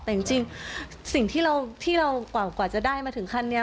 แต่จริงสิ่งที่เรากว่าจะได้มาถึงขั้นนี้